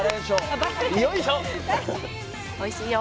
おいしいよ。